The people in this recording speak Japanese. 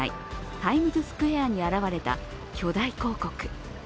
タイムズスクエアに現れた巨大広告。